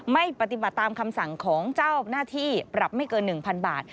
ไม่ปฏิบัติตามคำสั่งของเจ้าหน้าที่ปรับไม่เกิน๑๐๐๐บาท